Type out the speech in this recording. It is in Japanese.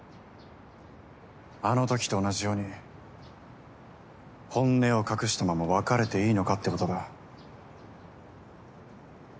あのときと同じように本音を隠したまま別れていいのかってことだ。